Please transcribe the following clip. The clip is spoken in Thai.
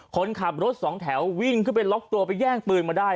คนขับรถสองแถววิ่งขึ้นไปล็อกตัวไปแย่งปืนมาได้